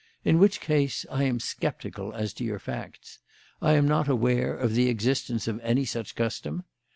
In which case I am sceptical as to your facts. I am not aware of the existence of any such custom.